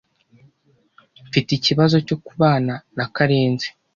Mfite ikibazo cyo kubana na Karekezi.